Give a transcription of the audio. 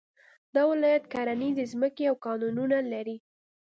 دا ولايت کرنيزې ځمکې او کانونه لري